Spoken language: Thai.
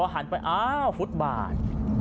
หันไปฟุตบาน